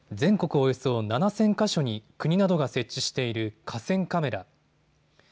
およそ７０００か所に国などが設置している河川カメラ。